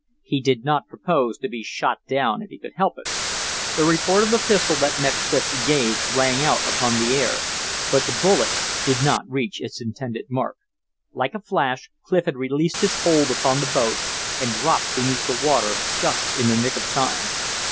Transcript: He did not propose to be shot down if he could help it. The report of the pistol that met Clif's gaze rang out upon the air, but the bullet did not reach its intended mark. Like a flash Clif had released his hold upon the boat, and dropped beneath the water, just in the nick of time.